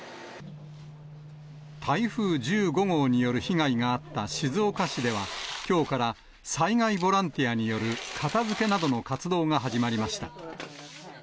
台風１５号による被害があった静岡市では、きょうから災害ボランティアによる片づけなどの活動が始まりまし